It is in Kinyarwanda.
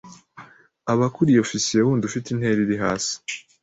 aba akuriye Ofisiye wundi ufite intera iri hasi